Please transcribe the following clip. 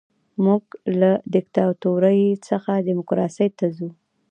موږ له دیکتاتورۍ څخه ډیموکراسۍ ته ځو.